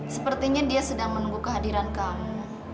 sepertinya dia sedang menunggu kehadiran kamu